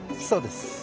そうです。